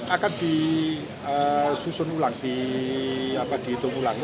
akan disusun ulang dihitung ulangi